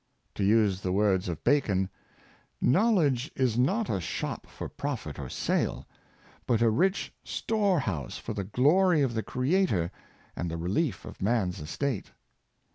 To use the words of Bacon, *' Knowledge is not a shop for profit or sale, but a rich store house for the glory of the Creator and the relief of man's estate."